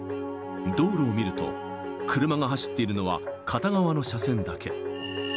道路を見ると、車が走っているのは片側の車線だけ。